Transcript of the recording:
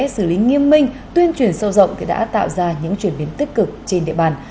xử lý nghiêm minh tuyên truyền sâu rộng đã tạo ra những chuyển biến tích cực trên địa bàn